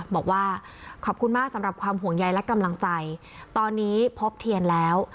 บอกว่าขอบคุณมากสำหรับความห่วงใยและกำลังใจตอนนี้พบเทียนแล้ว